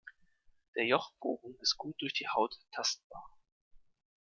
Der Jochbogen ist gut durch die Haut tastbar.